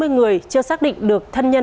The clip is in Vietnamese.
bốn mươi người chưa xác định được thân nhân